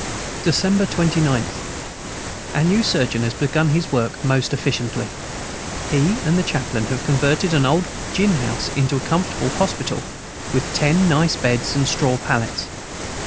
December 29. Our new surgeon has begun his work most efficiently: he and the chaplain have converted an old gin house into a comfortable hospital, with ten nice beds and straw pallets.